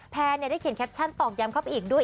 แนนได้เขียนแคปชั่นตอกย้ำเข้าไปอีกด้วย